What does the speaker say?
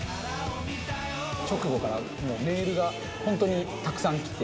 直後から、もうメールが本当にたくさん来て。